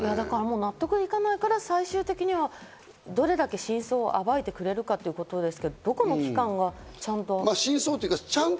納得いかないから、最終的にはどれだけ真相を暴いてくれるかってことですけど、どこの機関がちゃんと。